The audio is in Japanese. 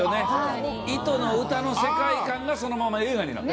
『糸』の歌の世界観がそのまま映画になった。